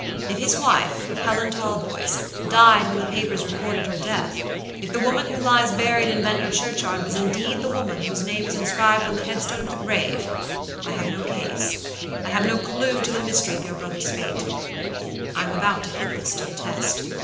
If his wife, Helen Talboys, died when the papers recorded her deathif the woman who lies buried in Ventnor churchyard was indeed the woman whose name is inscribed on the headstone of the graveI have no case, I have no clew to the mystery of your brother's fate. I am about to put this to the test.